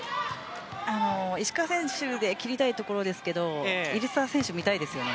石川選手で切りたいところですけど入澤選手、見たいですよね。